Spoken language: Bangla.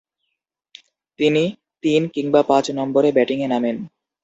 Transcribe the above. তিনি তিন কিংবা পাঁচ নম্বরে ব্যাটিংয়ে নামেন।